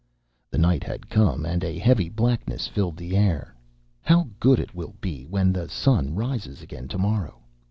The night had come, and a heavy blackness filled the air. "How good it will be when the sun rises again to morrow...